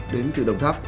đến từ đồng tháp